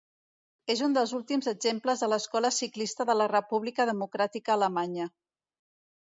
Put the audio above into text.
És un dels últims exemples de l'escola ciclista de la República Democràtica Alemanya.